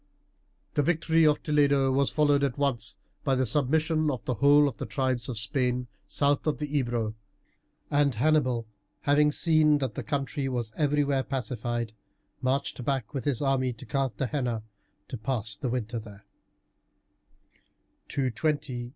The victory of Toledo was followed at once by the submission of the whole of the tribes of Spain south of the Ebro, and Hannibal, having seen that the country was everywhere pacified, marched back with his army to Carthagena to pass the winter there (220 219 B.C.).